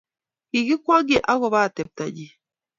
Kigikwongye ago atepto nyi